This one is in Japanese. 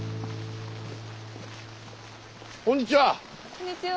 こんにちは。